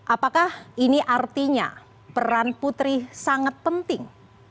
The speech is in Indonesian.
apakah ini artinya peran putri sangat penting